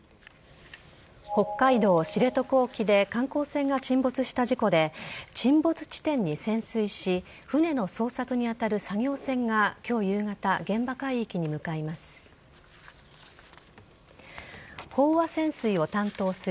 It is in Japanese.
北海道知床沖で観光船が沈没した事故で沈没地点に潜水し船の捜索に当たる作業船が今日夕方、現場海域に向かいます。